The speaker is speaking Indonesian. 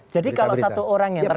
jadi kalau satu orang yang terkesan